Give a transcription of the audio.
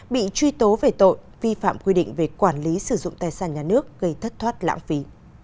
bị truy tố về tội vi phạm quy định về quản lý sử dụng tài sản nhà nước gây thất thoát lãng phí